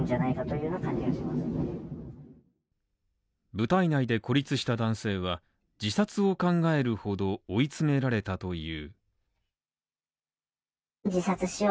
部隊内で孤立した男性は、自殺を考えるほど追い詰められたという。